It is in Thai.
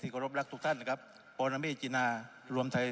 ๑๕๙คำร้องผมที่ขอให้พปฎตั้งเรื่องรอเลย